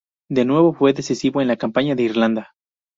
De nuevo fue decisivo en la campaña de Irlanda.